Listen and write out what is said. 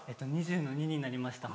２０の２になりました。